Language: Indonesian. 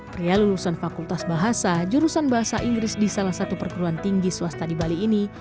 pria lulusan fakultas bahasa jurusan bahasa inggris di salah satu perguruan tinggi swasta di bali ini